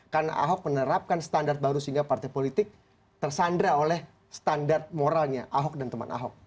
karena ahok menerapkan standar baru sehingga partai politik tersandra oleh standar moralnya ahok dan teman ahok